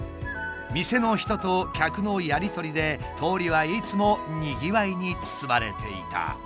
店の人と客のやり取りで通りはいつもにぎわいに包まれていた。